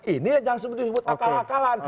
ini jangan disebut akal akalan